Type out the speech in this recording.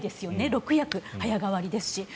６役早変わりですし。